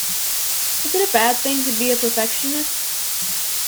Is it a bad thing to be a perfectionist?